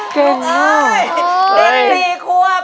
เก่งมาก